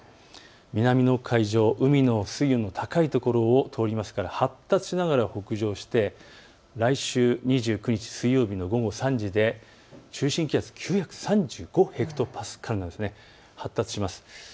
南の海上、海水温が高いところを通りますから発達しながら北上して、来週２９日水曜日の午後３時で中心気圧９３５ｈＰａ、発達します。